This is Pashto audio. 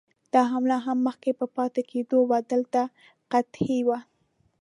دا حمله هم مخ په پاتې کېدو وه، دلته قحطي وه.